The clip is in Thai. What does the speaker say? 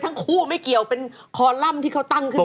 ทั้งคู่ไม่เกี่ยวเป็นคอลัมป์ที่เขาตั้งขึ้นมา